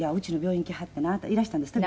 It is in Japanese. いらしたんですって？